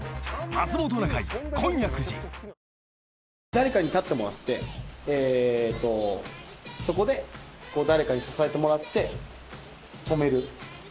誰かに立ってもらってそこで誰かに支えてもらって止める。